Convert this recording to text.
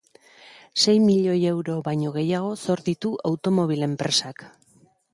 Sei milioi euro baino gehiago zor ditu automobil-enpresak.